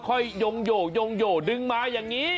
ยงโย่งยงโยดึงมาอย่างนี้